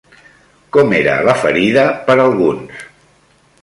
Com era la ferida per alguns?